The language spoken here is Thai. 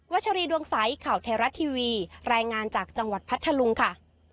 ชรีดวงใสข่าวไทยรัฐทีวีรายงานจากจังหวัดพัทธลุงค่ะ